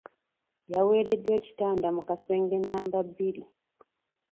Yaweereddwa ekitanda mu kasenge nnamba bbiri.